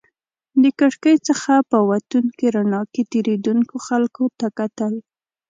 د کړکۍ څخه په وتونکې رڼا کې تېرېدونکو خلکو ته کتل.